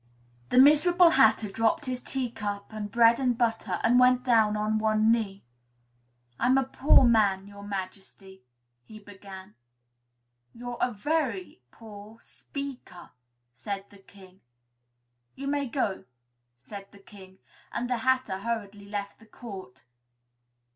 The miserable Hatter dropped his teacup and bread and butter and went down on one knee. "I'm a poor man, Your Majesty," he began. "You're a very poor speaker," said the King. "You may go," said the King, and the Hatter hurriedly left the court.